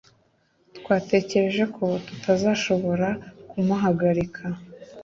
Twatekereje ko tutazashobora kumuhagarika